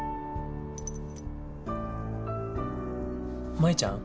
舞ちゃん。